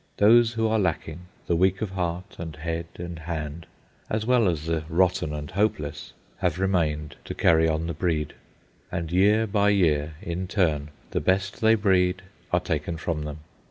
Those who are lacking, the weak of heart and head and hand, as well as the rotten and hopeless, have remained to carry on the breed. And year by year, in turn, the best they breed are taken from them.